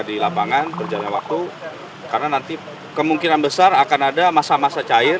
di lapangan berjalannya waktu karena nanti kemungkinan besar akan ada masa masa cair